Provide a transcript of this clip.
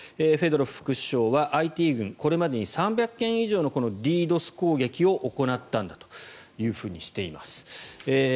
フェドロフ副首相は、ＩＴ軍これまでに３００件以上のＤＤｏＳ攻撃を行ったんだとしています。